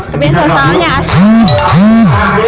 tapi sosalnya asli